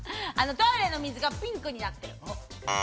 トイレの水がピンクになってる。